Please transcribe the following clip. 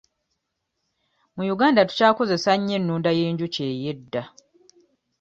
Mu Uganda tukyakozesa nnyo ennunda y'enjuki ey'edda.